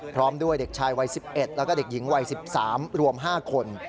พร้อมด้วยเด็กชายวัย๑๑แล้วก็เด็กหญิงวัย๑๓รวม๕คน